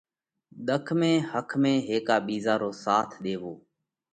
ۮک ۾ ۿک ۾ هيڪا ٻِيزا رو ساٿ ۮيوو۔